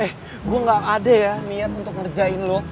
eh gue gak ada ya niat untuk ngerjain lo